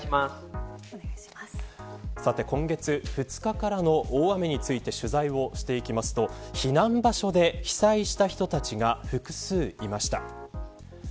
さて、今月２日からの大雨について取材をしていきますと避難場所で被災した人たちが複数いました。